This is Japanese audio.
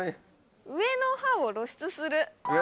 「上の歯を露出する」。